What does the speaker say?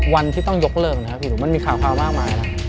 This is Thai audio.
วันที่ต้องยกเลิกนะครับพี่หนูมันมีข่าวความมากมายนะ